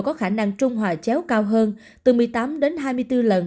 có khả năng trung hòa chéo cao hơn từ một mươi tám hai mươi bốn